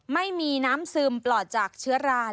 ไม่มีน้ำซึมปลอดจากเชื้อรา